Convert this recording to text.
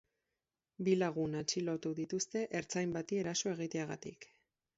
Bi lagun atxilotu dituzte ertzain bati eraso egiteagatik.